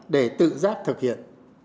để tự giác thực hiện